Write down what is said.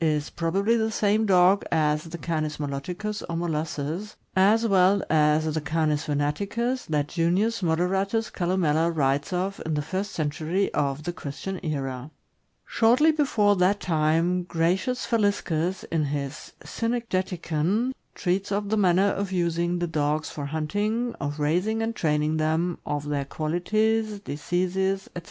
is probably the same dog as the Canis moloticus, or molossus, as well as the Canis venaticus that Junius Moderatus Calnmella writes of in the first century of the Christian era. Shortly before that time, Gratlus Faliscus, in his "Cynegeticon," treats of the manner of using the dogs for hunting, of raising and training them, of their qualities, diseases, etc.